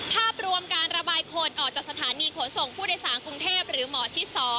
ภาพรวมการระบายคนออกจากสถานีขนส่งผู้โดยสารกรุงเทพหรือหมอชิด๒